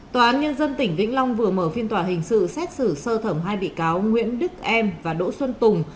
tòa án nhân dân tỉnh vĩnh long vừa mở phiên tòa hình sự xét xử sơ thẩm hai bị cáo nguyễn đức em và đỗ xuân tùng